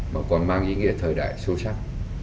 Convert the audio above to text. mà còn mang ý nghĩa thời đại sâu sắc